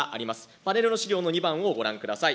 パネルの資料の２番をご覧ください。